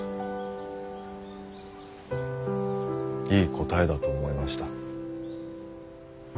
いい答えだと思いました。